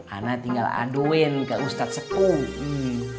ana tinggal aduin ke ustadz sepuh ini